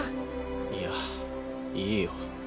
いやいいよ。